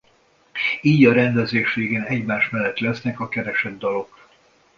Így a rendezés végén egymás mellett lesznek a keresett dalok.